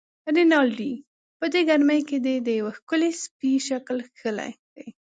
رینالډي: په دې ګرمۍ کې دې د یوه ښکلي سپي شکل کښلی دی.